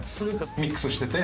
ミックスしてて。